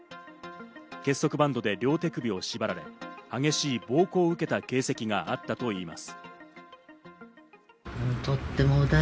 結束バンドで両手首を縛られ、激しい暴行を受けた形跡があったといいます。